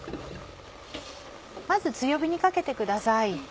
まず強火にかけてください。